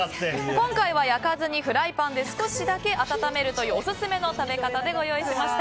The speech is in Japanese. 今回は焼かずに、フライパンで少しだけ温めるというオススメの食べ方でご用意しました。